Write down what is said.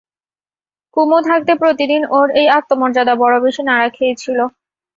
কুমু থাকতে প্রতিদিন ওর এই আত্মমর্যাদা বড়ো বেশি নাড়া খেয়েছিল।